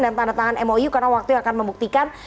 dan tahan tahan mou karena waktu yang akan membuktikan